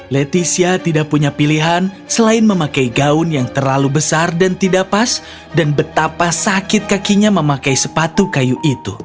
leticia tidak punya pilihan selain memakai gaun yang terlalu besar dan tidak pas dan betapa sakit kakinya memakai sepatu kayu itu